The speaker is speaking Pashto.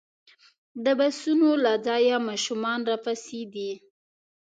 د بسونو له ځایه ماشومان راپسې دي.